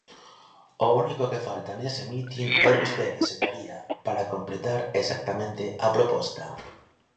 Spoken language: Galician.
O único que falta nese mitin é vostede, señoría, para completar, exactamente, a proposta.